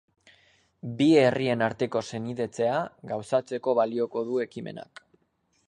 Bi herrien arteko senidetzea gauzatzeko balioko du ekimenak.